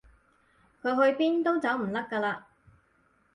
佢去邊都走唔甩㗎啦